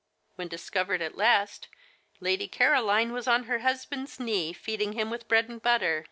When discovered at last, Lady Caroline was on her husband's knee, feeding him with bread and butter